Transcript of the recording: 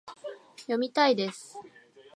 読みたいです